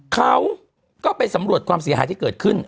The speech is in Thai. เขาก็ไปสำรวจความเสียหายที่เกิดขึ้น